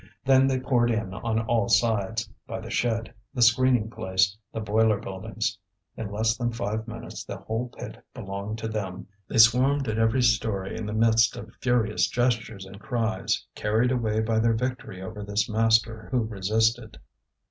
Then they poured in on all sides by the shed, the screening place, the boiler buildings. In less than five minutes the whole pit belonged to them; they swarmed at every story in the midst of furious gestures and cries, carried away by their victory over this master who resisted.